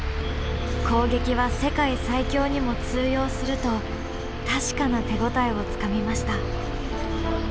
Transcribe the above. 攻撃は世界最強にも通用すると確かな手応えをつかみました。